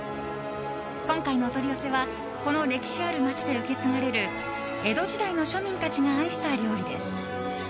今回のお取り寄せはこの歴史ある街で受け継がれる江戸時代の庶民たちが愛した料理です。